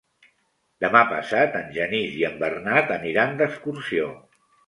Demà passat en Genís i en Bernat aniran d'excursió.